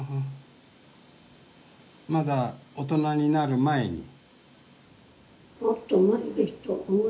まだ大人になる前に？